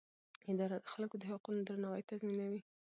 اداره د خلکو د حقونو درناوی تضمینوي.